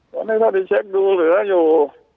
ตอนนี้เข้าไปเช็คดูเหลืออยู่